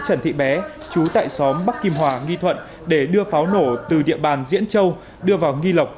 trần thị bé chú tại xóm bắc kim hòa nghi thuận để đưa pháo nổ từ địa bàn diễn châu đưa vào nghi lộc